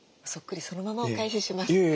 そっくりそのままお返しします。